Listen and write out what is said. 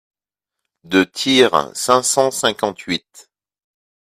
de Tyr, cinq cent cinquante-huit.